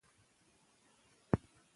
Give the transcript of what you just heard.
د صفوي رژیم حکمرانان ډېر ظالم وو.